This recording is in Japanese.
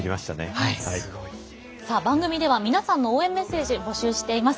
番組では皆さんの応援メッセージを募集しています。